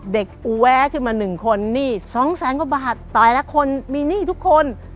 กูแวะขึ้นมาหนึ่งคนหนี้สองแสนกว่าบาทตายละคนมีหนี้ทุกคน